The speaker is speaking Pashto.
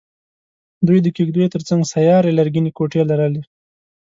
دوی د کېږدیو تر څنګ سیارې لرګینې کوټې لرلې.